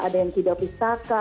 ada yang tidak pustaka